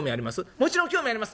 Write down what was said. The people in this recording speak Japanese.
「もちろん興味あります。